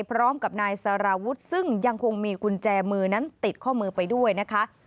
พร้อมกับนายสารวุฒิซึ่งยังคงมีกุญแจมือนั้นติดข้อมือไปด้วยนะคะ